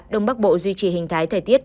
đông bắc bộ duy trì hình thái thay tiết